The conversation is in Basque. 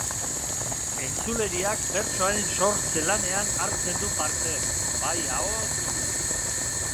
Entzuleriak bertsoaren sortze-lanean hartzen du parte, bai ahoz...